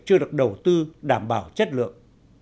chưa được đầu tư đảm bảo chất lượng